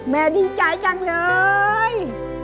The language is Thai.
แม่ดีใจจังเลย